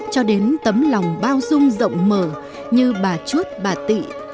cho đến tấm lòng bao dung rộng mở như bà chuốt bà tị